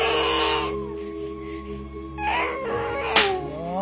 もう！